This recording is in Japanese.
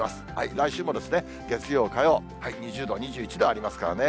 来週も月曜、火曜、２０度、２１度ありますからね。